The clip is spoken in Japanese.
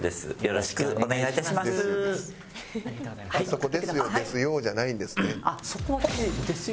そこって「ですよ。ですよ」じゃないんですね。